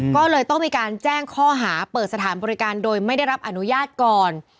ก็เลยต้องมีการแจ้งข้อหาเปิดสถานบริการโดยไม่ได้รับอนุญาตก่อน